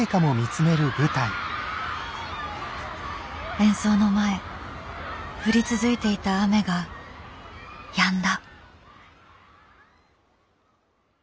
演奏の前降り続いていた雨がやんだ。